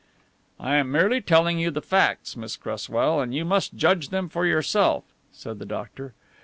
"I am merely telling you the facts, Miss Cresswell, and you must judge them for yourself," said the doctor.